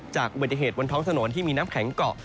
จากอุบัติเหตุบนท้องถนนที่มีน้ำแข็งเกาะ